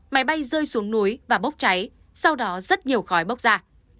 máy bay rơi xuống núi và bốc cháy sau đó rất nhiều khói bốc ra